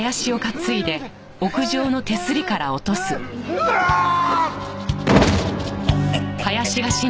うわあーっ！